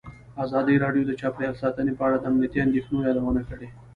ازادي راډیو د چاپیریال ساتنه په اړه د امنیتي اندېښنو یادونه کړې.